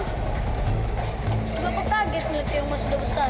pasti bapak kaget ngeliatnya umur sudah besar